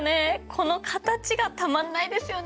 この形がたまんないですよね。